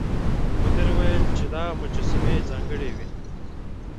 مدیر وویل چې دا مجسمې ځانګړې وې.